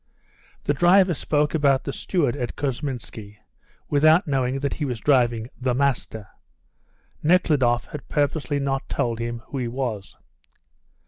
The driver spoke about the steward at Kousminski without knowing that he was driving "the master." Nekhludoff had purposely not told him who he was.